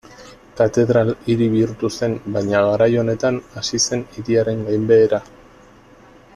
Katedral-hiri bihurtu zen, baina garai honetan hasi zen hiriaren gainbehera.